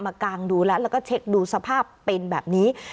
กางดูแล้วแล้วก็เช็คดูสภาพเป็นแบบนี้